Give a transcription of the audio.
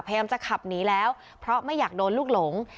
พยายามจะขับหนีแล้วเพราะไม่อยากโดนลูกหลง